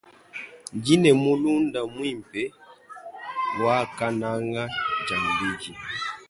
Ndine mulunda mwimpe wakananga dia mbedi.